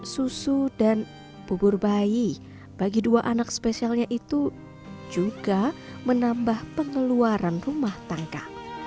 susu dan bubur bayi bagi dua anak spesialnya itu juga menambah pengeluaran rumah tangga